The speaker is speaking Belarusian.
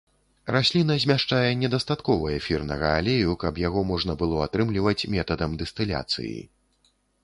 Расліна змяшчае недастаткова эфірнага алею, каб яго можна было атрымліваць метадам дыстыляцыі.